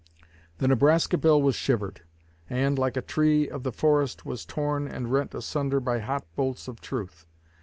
The Nebraska Bill was shivered, and, like a tree of the forest, was torn and rent asunder by hot bolts of truth.